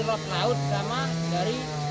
laut sama dari